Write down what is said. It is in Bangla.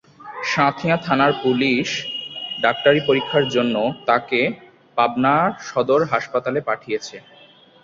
সাঁথিয়া থানার পুলিশ ডাক্তারি পরীক্ষার জন্য তাঁকে পাবনা সদর হাসপাতালে পাঠিয়েছে।